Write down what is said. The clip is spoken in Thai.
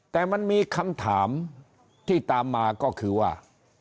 แต่มันมีคำถามที่ตามมาก็คือว่า